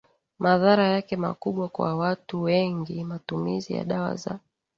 madhara yake makubwa Kwa watu wengi matumizi ya dawa za